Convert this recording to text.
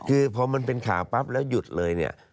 คือพอมันเป็นข่าวปั๊บแล้วหยุดเลยเนี่ย